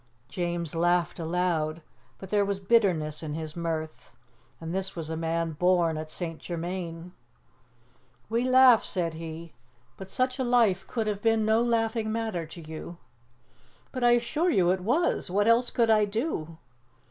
James laughed aloud, but there was bitterness in his mirth. And this was a man born at St. Germain! "We laugh," said he, "but such a life could have been no laughing matter to you." "But I assure you it was! What else could I do?"